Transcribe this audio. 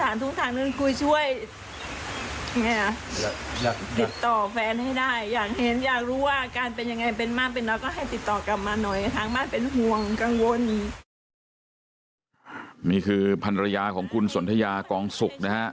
นี่คือภรรยาของคุณสนทยากองสุกนะฮะ